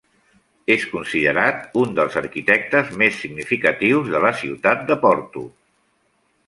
És considerat un dels arquitectes més significatius de la ciutat de Porto.